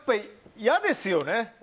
嫌ですよね